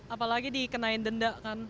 apalagi dikenain denda kan